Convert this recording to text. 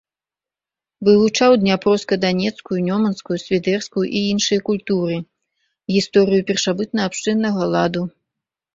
Вывучаў дняпроўска-данецкую, нёманскую, свідэрскую і іншыя культуры, гісторыю першабытна-абшчыннага ладу.